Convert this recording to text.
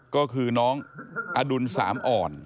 ก็คือน้องอดุลสามอ่อน